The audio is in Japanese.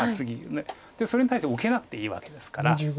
それに対して受けなくていいわけですから。